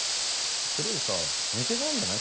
それよりさ寝てないんじゃない？